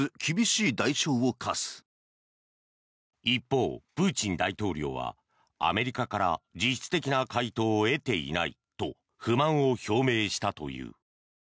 一方、プーチン大統領はアメリカから実質的な回答を得ていないと不満を表明したという。